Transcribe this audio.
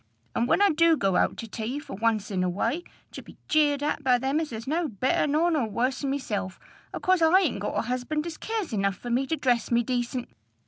And when I do go out to tea for once in a way, to be jeered at by them as is no better nor no worse 'n myself, acause I ain't got a husband as cares enough for me to dress me decent!